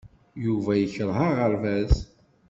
Yuba yekṛeh aɣerbaz.